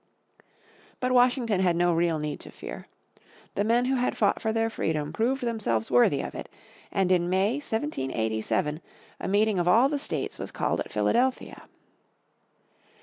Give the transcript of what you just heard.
But Washington had no real need to fear. The men who had fought for their freedom proved themselves worthy of it, and in May, 1787, a meeting of all the states was called at Philadelphia.